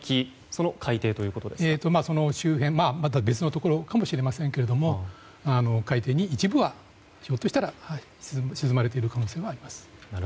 その周辺または別かもしれませんが海底に一部は、ひょっとしたら沈まれている可能性もあります。